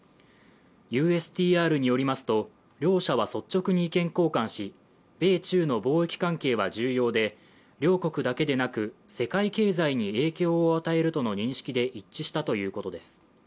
ＵＳＴＲによりますと、両者は率直に意見交換し、米中の貿易関係は重要で、両国だけでなく世界経済に影響を与えるとの認識で一致したということです。